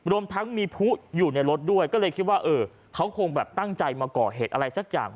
รวมทั้งมีผู้อยู่ในรถด้วยก็เลยคิดว่าเออเขาคงแบบตั้งใจมาก่อเหตุอะไรสักอย่าง